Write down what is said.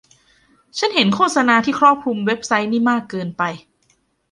ฉันเห็นโฆษณาที่ครอบคลุมเว็บไซต์นี้มากเกินไป